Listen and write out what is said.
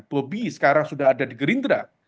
bobi sekarang sudah ada di gerindra